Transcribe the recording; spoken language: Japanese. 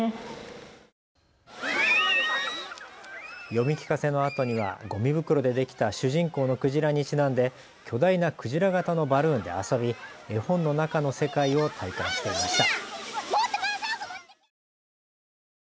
読み聞かせのあとにはごみ袋でできた主人公のクジラにちなんで巨大なクジラ型のバルーンで遊び絵本の中の世界を体感していました。